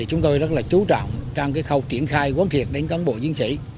chúng tôi rất chú trọng trong khâu triển khai quán triệt đến công bộ chiến sĩ